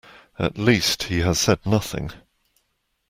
At least, he has said nothing.